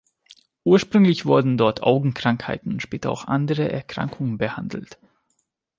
Ursprünglich wurden dort Augenkrankheiten und später auch andere Erkrankungen behandelt.